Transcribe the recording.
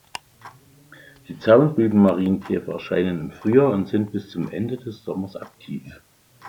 Die Zaunrüben-Marienkäfer erscheinen im Frühjahr und sind bis zum Ende des Sommers aktiv.